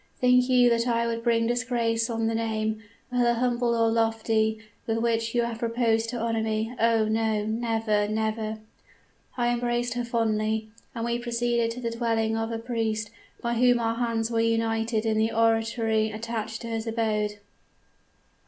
'Think you that I would bring disgrace on the name, whether humble or lofty, with which you have proposed to honor me? Oh! no never, never!" "I embraced her fondly; and we proceeded to the dwelling of a priest, by whom our hands were united in the oratory attached to his abode.